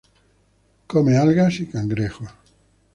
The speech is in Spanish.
Come algas y cangrejos.